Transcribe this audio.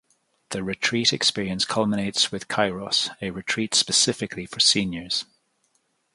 The retreat experience culminates with Kairos, a retreat specifically for seniors.